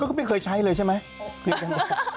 แฟนที่พี่เหมียวก็ไม่เคยใช้เลยใช่ไหม